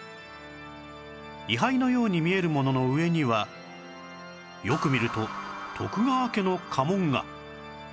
位牌のように見えるものの上にはよく見ると徳川家の家紋が